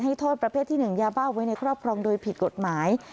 โทษประเภทที่๑ยาบ้าไว้ในครอบครองโดยผิดกฎหมาย